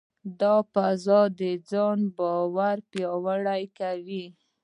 دا فضا د ځان باور پیاوړې کوي.